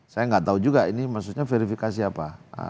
saya nggak tahu juga ini maksudnya verifikasi apa